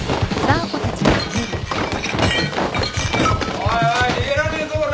おいおい逃げられねえぞこら！